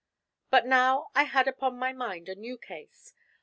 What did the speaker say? But now I had upon my mind a new case.